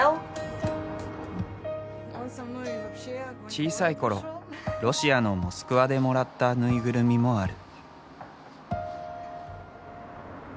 小さい頃ロシアのモスクワでもらった縫いぐるみもある。